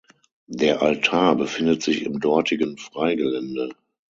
Der Altar befindet sich im dortigen Freigelände.